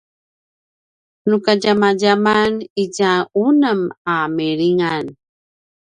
nu kadjamadjaman itja unem a milingan